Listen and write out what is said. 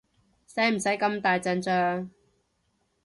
使唔使咁大陣仗？